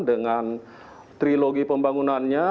dengan trilogi pembangunannya